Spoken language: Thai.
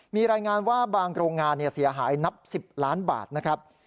มีรายงานว่าบางโรงงานเสียหายนับ๑๐ล้านบาทนะครับ